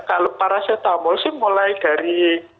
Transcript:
kalau paracetamol sih mulai dari